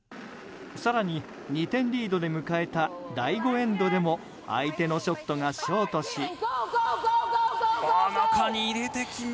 更に、２点リードで迎えた第５エンドでも相手のショットがショートし。